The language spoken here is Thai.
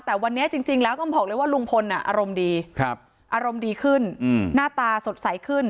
แต่วันนี้จริงแล้วต้องบอกเลยว่าลุงพลอารมณ์ดีอารมณ์ดีขึ้นหน้าตาสดใสขึ้น